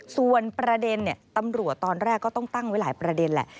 ส่วนประเด็นตำรวจตอนแรกก็ต้องตั้งไว้หลายประเด็นแหละ